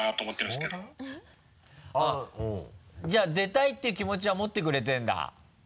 あぁうん。じゃあ出たいっていう気持ちは持ってくれてんだ。